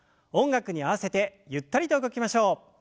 音楽に合わせてゆったりと動きましょう。